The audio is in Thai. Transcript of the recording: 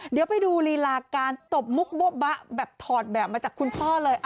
เดี๋ยวไปดูลีลาการตบมุกโบ๊บะแบบถอดแบบมาจากคุณพ่อเลย